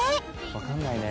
わかんないね